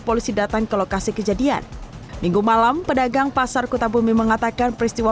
polisi datang ke lokasi kejadian minggu malam pedagang pasar kota bumi mengatakan peristiwa